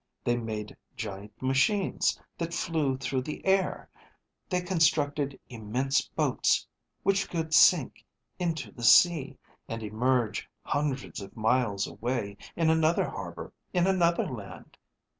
They made giant machines that flew through the air. They constructed immense boats which could sink into the sea and emerge hundreds of miles away in another harbor in another land.